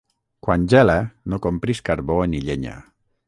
Quan gela no compris carbó ni llenya.